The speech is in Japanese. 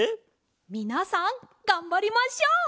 みなさんがんばりましょう！